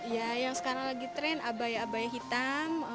ya yang sekarang lagi tren abaya abaya hitam